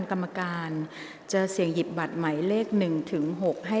กรรมการท่านที่สองได้แก่กรรมการใหม่เลขหนึ่งค่ะ